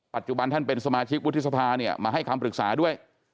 ปัจจุบันท่านเป็นสมาชิกวุฒิศภามาให้คำปรึกษาด้วย